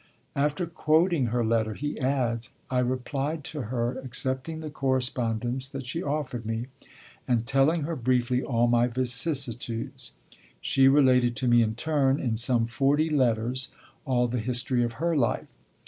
After quoting her letter, he adds: 'I replied to her, accepting the correspondence that she offered me, and telling her briefly all my vicissitudes. She related to me in turn, in some forty letters, all the history of her life.